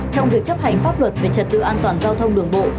trong việc chấp hành pháp luật về trật tự an toàn giao thông đường bộ